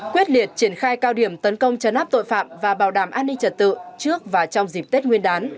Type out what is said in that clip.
quyết liệt triển khai cao điểm tấn công chấn áp tội phạm và bảo đảm an ninh trật tự trước và trong dịp tết nguyên đán